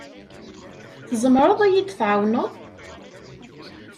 Tzemreḍ ad iyi-tɛawneḍ?